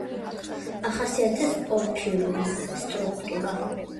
ახასიათებს პორფირული სტრუქტურა.